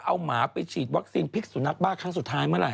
เอาหมาไปฉีดวัคซีนพิษสุนัขบ้าครั้งสุดท้ายเมื่อไห